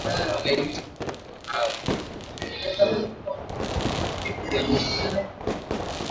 Jimbo la Zamfara nchini Nigeria litaanza kutoa vibali kwa ajili ya watu kubeba bunduki kujijitea wenyewe